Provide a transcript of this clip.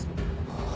ああ。